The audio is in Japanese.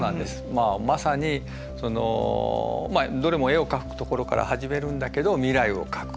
まあまさにどれも絵を描くところから始めるんだけど未来を描く。